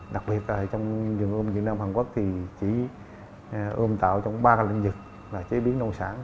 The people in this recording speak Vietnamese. đặc biệt trong vườn ươm việt nam hàn quốc thì chỉ ươm tạo trong ba lĩnh vực là chế biến nông sản